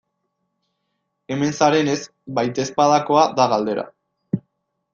Hemen zarenez, baitezpadakoa da galdera.